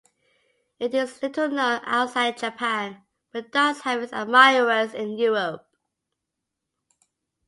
It is little known outside Japan, but does have its admirers in Europe.